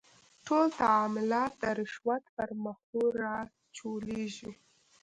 ټول تعاملات د رشوت پر محور راچولېږي.